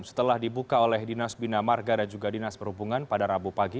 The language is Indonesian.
setelah dibuka oleh dinas bina marga dan juga dinas perhubungan pada rabu pagi